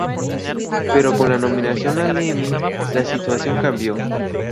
Pero con la nominación al Emmy, la situación cambió.